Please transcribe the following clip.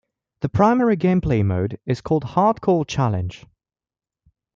The primary gameplay mode is called Hardcore Challenge.